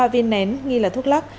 ba viên nén nghi là thuốc lắc